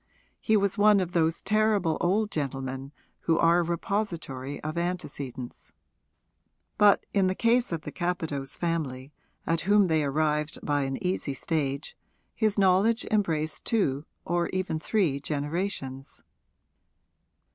He was one of those terrible old gentlemen who are a repository of antecedents. But in the case of the Capadose family, at whom they arrived by an easy stage, his knowledge embraced two, or even three, generations.